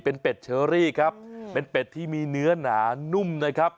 เป็นเป็ดเชอรี่ครับเป็นเป็ดที่มีเนื้อหนานุ่มนะครับ